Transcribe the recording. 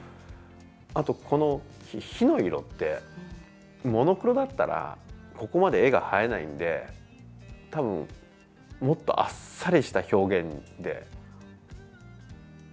あと、この火の色ってモノクロだったらここまで絵が映えないんで多分、もっとあっさりした表現で終わらすと思います。